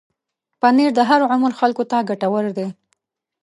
پنېر د هر عمر خلکو ته ګټور دی.